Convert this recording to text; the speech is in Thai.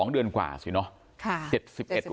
๒เดือนกว่าสิเนอะ